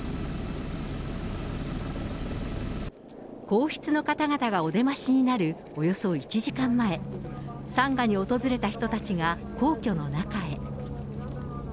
皇室の方々がお出ましになるおよそ１時間前、参賀に訪れた人たちが、皇居の中へ。